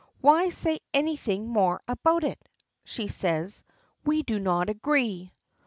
"Why say anything more about it?" she says. "We do not agree."